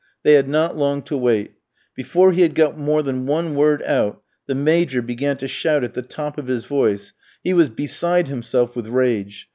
They had not long to wait. Before he had got more than one word out, the Major began to shout at the top of his voice; he was beside himself with rage.